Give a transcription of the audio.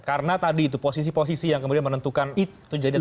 karena tadi itu posisi posisi yang kemudian menentukan itu jadi ketiga